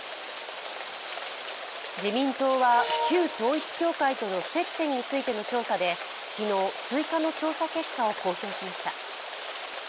自民党は、旧統一教会との接点についての調査で昨日、追加の調査結果を公表しました。